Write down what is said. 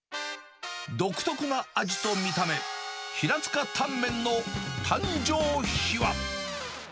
独特な味と見た目、平塚タンメンの誕生秘話。